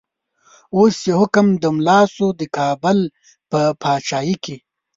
اوس چه حکم د ملا شو، دکابل په پاچایی کی